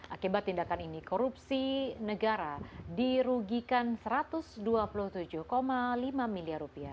akibat tindakan ini korupsi negara dirugikan rp satu ratus dua puluh tujuh lima miliar